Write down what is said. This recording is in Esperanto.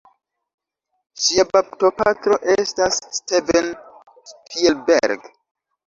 Ŝia baptopatro estas Steven Spielberg.